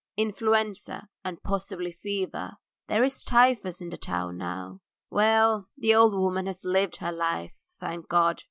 "Influenza and possibly fever. There's typhus in the town now. Well, the old woman has lived her life, thank God.